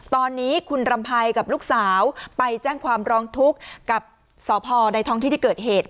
ตอนนี้คุณรำภัยกับลูกสาวไปแจ้งความร้องทุกข์กับสพในท้องที่ที่เกิดเหตุ